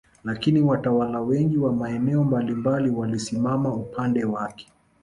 Lakini watawala wengi wa maeneo mbalimbali walisimama upande wake